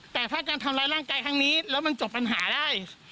แต่ถ้าการทำร้ายร่างกายครั้งนี้แล้วมันจบปัญหาได้